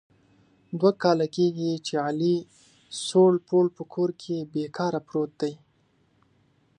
دوه کال کېږي چې علي سوړ پوړ په کور کې بې کاره پروت دی.